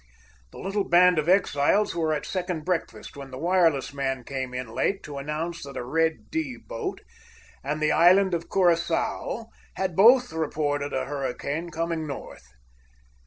The little band of exiles were at second break fast when the wireless man came in late to announce that a Red D. boat and the island of Curaçao had both reported a hurricane coming north.